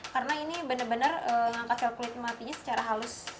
karena ini benar benar mengangkat sel kulit matinya secara halus